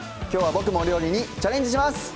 きょうは僕もお料理にチャレンジします！